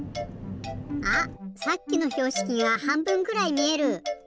あっさっきのひょうしきがはんぶんくらいみえる！